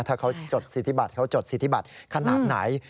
ถ้าเขาจดสิทธิบัตรเขาจดสิทธิบัตรขนาดไหน